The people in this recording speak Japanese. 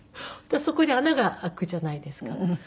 そこに穴が開くじゃないですか。